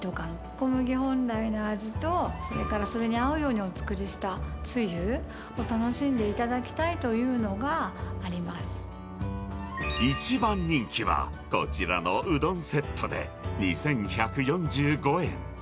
小麦本来の味と、それからそれに合うようにお作りしたつゆを楽しんでいただきたい一番人気は、こちらのうどんセットで２１４５円。